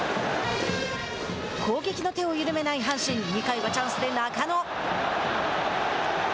攻撃の手を緩めない阪神２回はチャンスで中野。